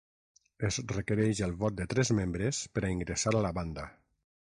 Es requereix el vot de tres membres per a ingressar a la banda.